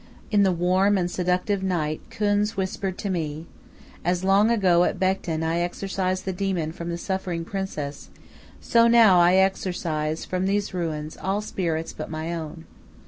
In the warm and seductive night Khuns whispered to me: "As long ago at Bekhten I exorcised the demon from the suffering Princess, so now I exorcise from these ruins all spirits but my own.